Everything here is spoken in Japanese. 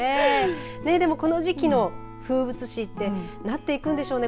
この時期の風物詩ってなっていくんでしょうね